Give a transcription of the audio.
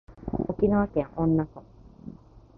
沖縄県恩納村